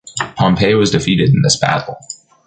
Pompey was defeated in this battle.